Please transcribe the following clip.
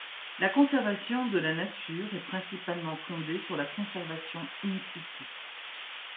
La conservation de la nature est principalement fondée sur la conservation in situ.